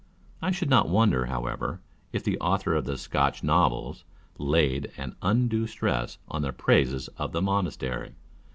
I should not wonder, however, if the Author of the Scotch Novels laid an undue stress on the praises of the Monastery.